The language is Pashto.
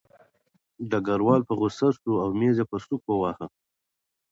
ډګروال په غوسه شو او مېز یې په سوک وواهه